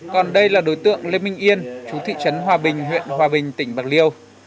còn đây là đối tượng lê minh yên chú thị trấn hòa bình huyện hòa bình tỉnh bạc liêu